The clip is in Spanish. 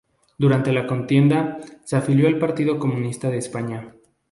Durante la contienda, se afilió al Partido Comunista de España.